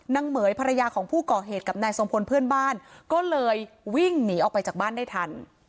เหม๋ยภรรยาของผู้ก่อเหตุกับนายทรงพลเพื่อนบ้านก็เลยวิ่งหนีออกไปจากบ้านได้ทัน